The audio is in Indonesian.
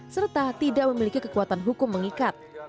serta tidak memiliki kekuatan hukum mengikat